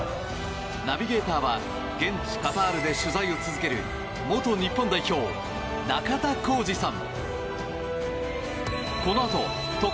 ナビゲーターは現地カタールで取材を続ける元日本代表、中田浩二さん。